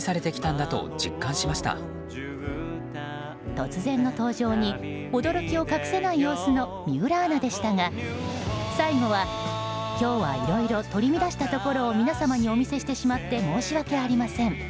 突然の登場に、驚きを隠せない様子の水卜アナでしたが最後は、今日はいろいろ取り乱したところを皆様にお見せしてしまって申し訳ありません。